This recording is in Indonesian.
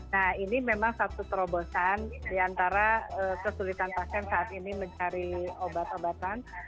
nah ini memang satu terobosan diantara kesulitan pasien saat ini mencari obat obatan